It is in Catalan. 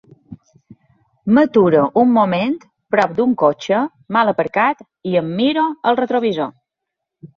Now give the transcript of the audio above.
M'aturo un moment prop d'un cotxe mal aparcat i em miro al retrovisor.